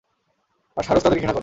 আর সারস তাদের ঘৃণা করে।